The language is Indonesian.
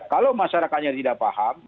kalau masyarakatnya tidak paham